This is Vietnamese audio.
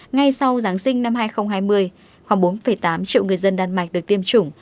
ngay sau giáng sinh năm hai nghìn hai mươi khoảng bốn tám triệu người dân đan mạch được tiêm chủng